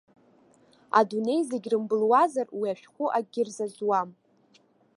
Адунеи зегьы рымбылуазар, уи ашәҟәы акгьы рзазуам.